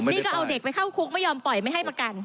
นี่ก็เอาเด็กไปเข้าคุกไม่ยอมปล่อยไม่ให้ประกัน